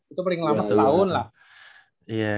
itu paling lama setahun lah